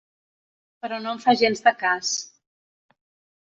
Però no em fa gens de cas.